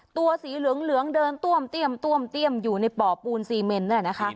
ตัวสีเหลืองเดินต้วมเตี้ยมอยู่ในป่อปูนซีเมนด้วยนะคะ